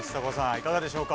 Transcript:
いかがでしょうか？